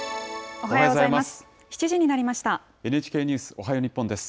おはようございます。